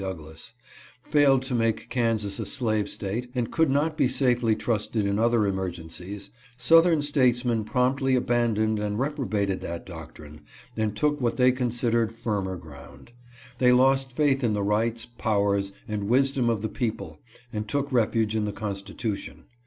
Douglas) failed to make Kansas a slave State, and could not be safely trusted in other emergencies, Southern statesmen promptly abandoned and reprobated that doc trine, and took what they considered firmer ground. They lost faith in the rights, powers, and wisdom of the people and took refuge in the Constitution.